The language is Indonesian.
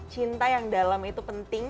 cinta yang dalam itu penting